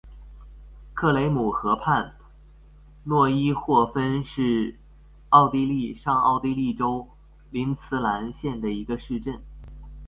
克雷姆河畔诺伊霍芬是奥地利上奥地利州林茨兰县的一个市镇。